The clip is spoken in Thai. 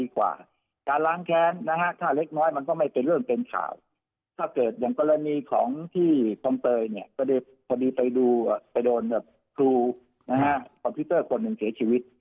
ก็เลยพอดีไปดูไปโดนแบบคลูนะฮะคอมพิวเตอร์คนหนึ่งเสียชีวิต